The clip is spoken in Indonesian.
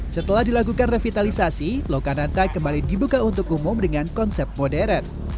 setelah dilakukan revitalisasi lokananta kembali dibuka untuk umum dengan konsep modern